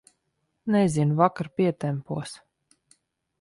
Nezinu, vakar pietempos.